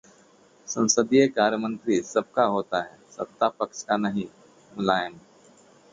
संसदीय कार्य मंत्री सबका होता है, सत्ता पक्ष का नहीं: मुलायम